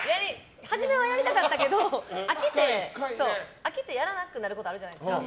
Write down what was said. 初めはやりたかったけど飽きてやらなくなることあるじゃないですか。